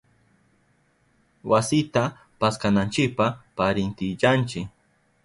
Wasita paskananchipa parintillanchi.